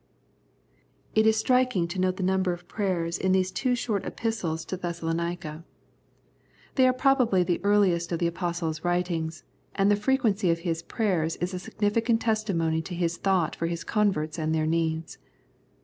It is striking to note the number of prayers in these two short Epistles to Thessalonica. They are probably the earliest of the Apostle's writings, and the frequency of his prayers is a significant testimony to his thought for his converts and their needs.